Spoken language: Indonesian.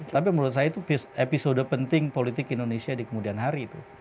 tapi menurut saya itu episode penting politik indonesia di kemudian hari itu